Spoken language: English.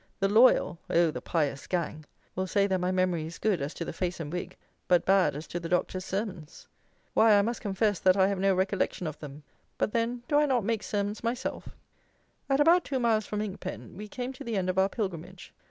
The "loyal" (oh, the pious gang!) will say that my memory is good as to the face and wig, but bad as to the Doctor's Sermons. Why, I must confess that I have no recollection of them; but, then, do I not make Sermons myself? At about two miles from Inkpen we came to the end of our pilgrimage.